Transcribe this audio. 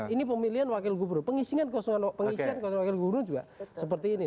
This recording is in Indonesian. ini pemilihan wakil gubernur pengisian wakil guru juga seperti ini